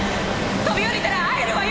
飛び降りたら会えるわよ